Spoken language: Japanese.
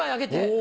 お。